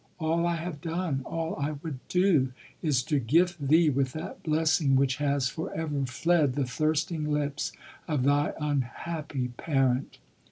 — all I have done — all I would do — is to gift thee with that blessing which has for ever fled the thirsting lips of thy unhappy pa rent."